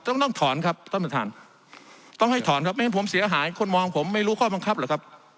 ต้องต้องถอนครับท่านประธานต้องให้ถอนครับไม่ให้ผมเสียหายคนมองผมไม่รู้ข้อบังคับหรือครับ